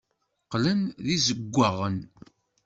Qqlen d izewwaɣen.